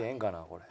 これ。